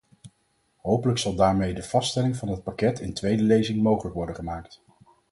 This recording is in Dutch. Hopelijk zal daarmee de vaststelling van het pakket in tweede lezing mogelijk worden gemaakt.